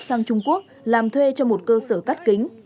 sang trung quốc làm thuê cho một cơ sở cắt kính